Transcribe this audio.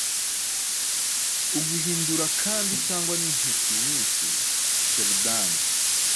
uguhindurakandi yangwa nintiti nyinshi Seldan